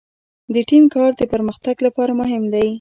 د ټیم کار د پرمختګ لپاره مهم دی.